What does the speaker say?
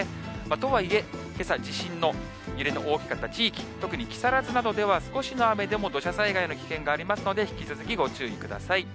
とはいえ、けさ地震の揺れの大きかった地域、特に木更津などでは少しの雨でも土砂災害の危険がありますので、引き続き、ご注意ください。